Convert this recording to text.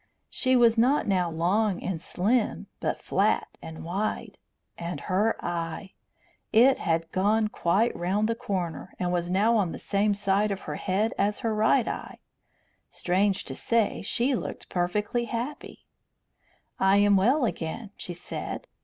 She was not now long and slim, but flat and wide. And her eye! It had gone quite round the corner, and was now on the same side of her head as her right eye. Strange to say, she looked perfectly happy. "I am well again," she said.